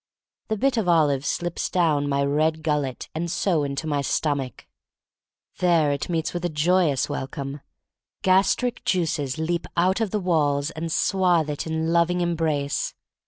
The bit of olive slips down my red gullet, and so into my stomach. There it meets with a joyous welcome. Gas tric juices leap out from the walls and THE STORY OF MARY MAC LANE 83 swathe it in loving embrace.